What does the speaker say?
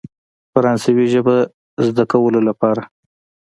فرانسوي ژبې زده کولو لپاره.